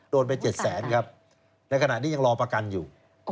โดนไป๗๐๐๐๐๐บาทในขณะนี้ยังรอประกันอยู่